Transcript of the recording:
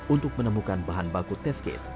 untuk menemukan bahan baku test kit